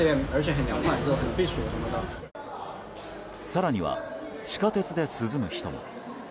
更には地下鉄で涼む人も。